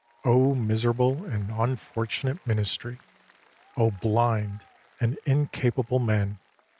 O miserable and unfortunate ministry! blind and incapable men!